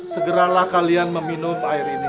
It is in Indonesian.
segeralah kalian meminum air ini